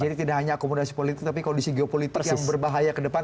jadi tidak hanya akomodasi politik tapi kondisi geopolitik yang berbahaya ke depan